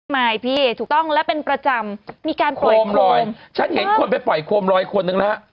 ไม่พี่ถูกต้องและเป็นประจำมีการปล่อยโคมลอยฉันเห็นคนไปปล่อยโคมลอยคนนึงนะฮะ